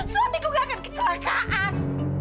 suamiku nggak akan kecelakaan